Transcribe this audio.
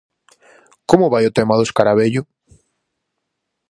Como vai o tema do Escaravello?